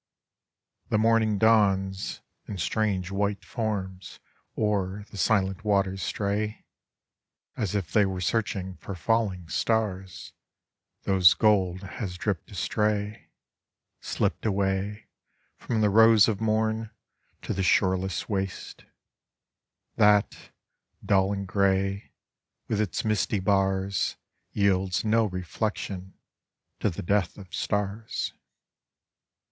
The morning dawns, and strange white forma O'er the silent waters stray, As if they were searching for falling stars, *hose sold has dripped astray, Slipped away Trom the rose of morn To the shoreless waste, That, dull and / rcy, with its misty bars, Yields no reflection to the death of stars.